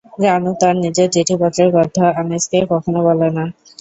রানু তার নিজের চিঠিপত্রের কথা আনিসকে কখনো বলে না।